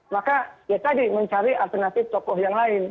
maka ya tadi mencari alternatif tokoh yang lain